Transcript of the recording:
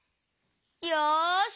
よし！